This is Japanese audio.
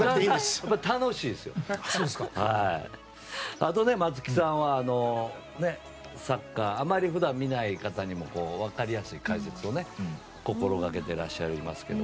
あと、松木さんはサッカーをあまり普段見ない方にも分かりやすい解説をね心がけてらっしゃいますけど。